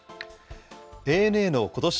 ＡＮＡのことし